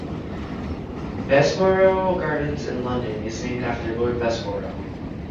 Bessborough Gardens in London is named after Lord Bessborough.